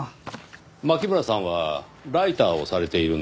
牧村さんはライターをされているんですか？